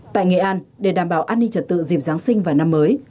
tại nghệ an để đảm bảo an ninh trật tự dịp giáng sinh và năm mới